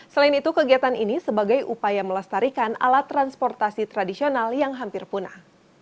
selain itu kegiatan ini sebagai upaya melestarikan alat transportasi tradisional yang hampir punah